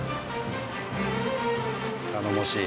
頼もしい。